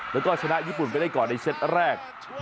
แล้วก็ชนะญี่ปุ่นไปได้ก่อนในเซตแรก